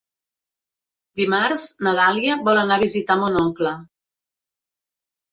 Dimarts na Dàlia vol anar a visitar mon oncle.